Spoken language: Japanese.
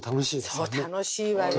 そう楽しいわよ。